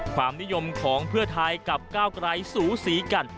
ความนิยมของเพื่อไทยกับก้าวไกรสูสีกัน